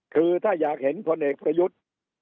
คือถ้าอยากเห็นพลเอกประยุทธ์